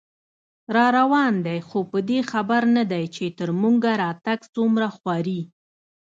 راروان دی خو په دې خبر نه دی، چې تر موږه راتګ څومره خواري